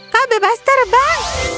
kau bebas terbang